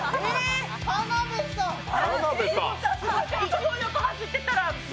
勢いよく走ってきたら。